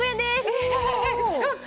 えちょっと！